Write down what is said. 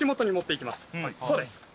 そうです。